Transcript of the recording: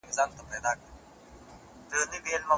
زړه مي ماشوم دی د اسمان خبره کله مني